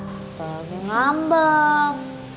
atau lagi ngambeng